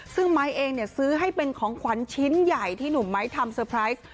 ซึ่งไม้เองเนี่ยซื้อให้เป็นของขวัญชิ้นใหญ่ที่หนุ่มไม้ทำเตอร์ไพรส์